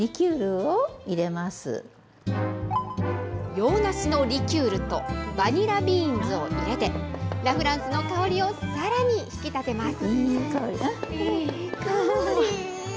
洋梨のリキュールとバニラビーンズを入れて、ラ・フランスの香りをさらに引き立てます。